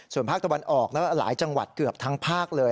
ส่วนภาคตะวันออกหลายจังหวัดเกือบทั้งภาคเลย